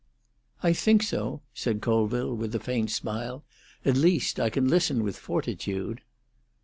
"I think so," said Colville, with a faint smile. "At least I can listen with fortitude."